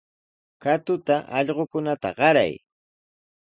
Katuta allqukunata qaray.